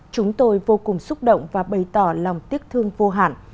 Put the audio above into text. chúng tôi vô cùng xúc động và bày tỏ lòng tiếc thương vô hạn